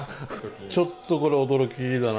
ちょっとこれは驚きだな。